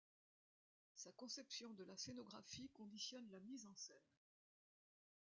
Sa conception de la scénographie conditionne la mise en scène.